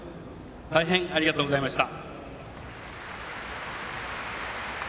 大変ありがとうございました。